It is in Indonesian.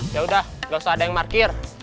ya udah gak usah ada yang parkir